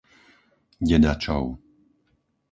Dedačov